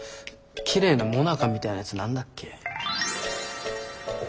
きれいなモナカみたいなやつ何だっけ？